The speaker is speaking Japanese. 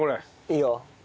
いいよ。